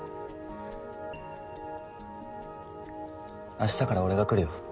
明日から俺が来るよ